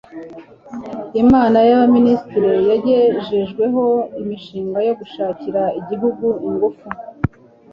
inama y'abaminisitiri yagejejweho imishinga yo gushakira igihugu ingufu